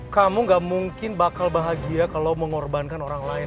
kamu gak mungkin bakal bahagia kalau mengorbankan orang lain